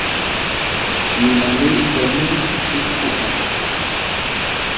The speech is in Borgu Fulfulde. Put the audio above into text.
Mi manirte nun jikku am.